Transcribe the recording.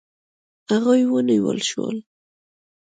هغوی ونیول شول.